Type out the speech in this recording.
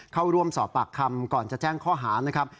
เข้าร่วมสอบปากคำก่อนจะแจ้งข้อหานะครับ